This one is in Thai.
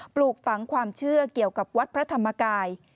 ปลูกฝังความเชื่อเกี่ยวกับวัดพระธรรมกาย